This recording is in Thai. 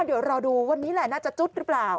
เดี๋ยวรอดูวันนี้แหละน่าจะจุดหรือเปล่า